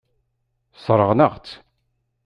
Sseṛɣen-aɣ-tt.